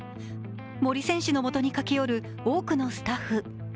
森選手の元に駆け寄る多くのスタッフ。